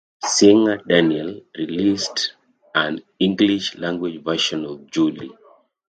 Singer Daniel released an English-language version as "Julie".